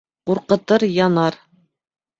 Ҡурҡытыр, янар!